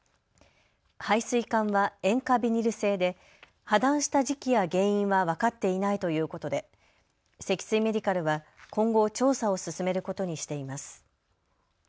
排水管は塩化ビニル製で破断した時期や原因は分かっていないということで積水メディカルは今後、調査を進めることにしています。